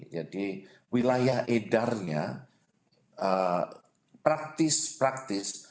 jadi wilayah edarnya praktis praktis